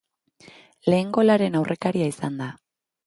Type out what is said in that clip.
Lehen golaren aurrekaria izan da.